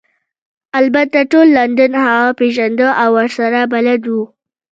البته ټول لندن هغه پیژنده او ورسره بلد وو